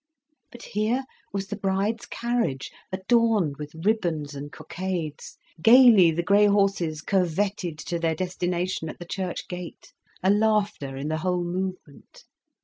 But here was the bride's carriage, adorned with ribbons and cockades. Gaily the grey horses curvetted to their destination at the church gate, a laughter in the whole movement.